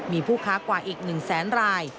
มีผู้ค้ากว่าอีก๑๐๐๐๐๐ราย